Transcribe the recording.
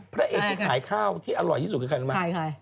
เภร่าเอกที่ขายข้าวที่อร่อยที่สุดนี่ค่ะคลิปรมาท